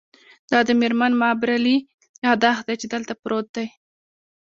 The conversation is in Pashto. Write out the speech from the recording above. دا د میرمن مابرلي یادښت دی چې دلته پروت دی